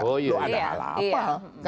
loh ada hal apa